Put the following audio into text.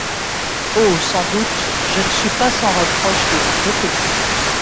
Oh ! sans doute, je ne suis pas sans reproche de mon côté.